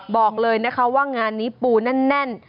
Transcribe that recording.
บอกเลยนะคะว่างานนี้ปูแน่น